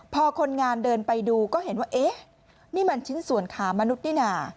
พอคนงานเดินไปดูก็เห็นว่าเอ๊ะนี่มันชิ้นส่วนขามนุษย์นี่น่ะ